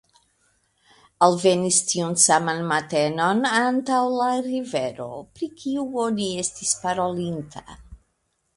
Alvenis tiun saman matenon antaŭ la rivero, pri kiu oni estis parolinta.